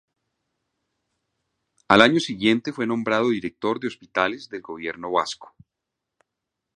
Al año siguiente fue nombrado director de Hospitales del Gobierno Vasco.